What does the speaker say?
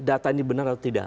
data ini benar atau tidak